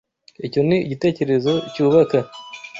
Icyo ni igitekerezo cyubaka!